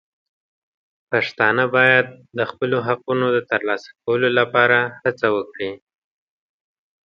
پښتانه باید د خپلو حقونو د ترلاسه کولو لپاره هڅه وکړي.